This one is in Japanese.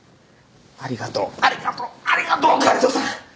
ありがとうありがとうありがとう香音人さん！